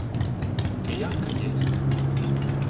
— Киянка єсмь.